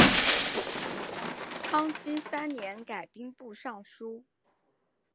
康熙三年改兵部尚书。